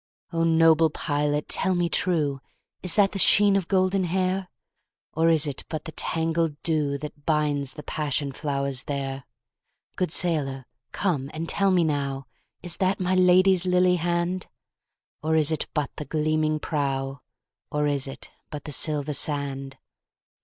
O noble pilot tell me trueIs that the sheen of golden hair? Or is it but the tangled dewThat binds the passion flowers there? Good sailor come and tell me nowIs that my Lady's lily hand? Or is it but the gleaming prow, Or is it but the silver sand?